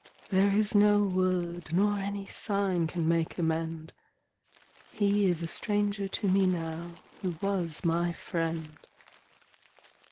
There is no word nor any sign Can make amend — He is a stranger to me now Who was my friend.